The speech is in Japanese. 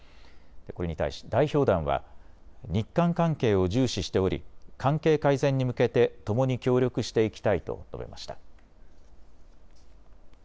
これに対し代表団は日韓関係を重視しており関係改善に向けてともに協力していきたいと述べました。